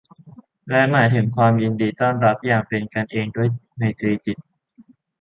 และหมายถึงความยินดีต้อนรับอย่างเป็นกันเองด้วยไมตรีจิต